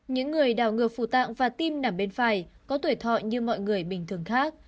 những người đào ngược phủ tạng và tim nằm bên phải có tuổi thọ như mọi người bình thường khác